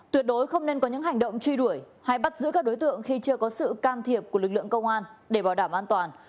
tuyệt đối không nên có những hành động truy đuổi hay bắt giữ các đối tượng khi chưa có sự can thiệp của lực lượng công an để bảo đảm an toàn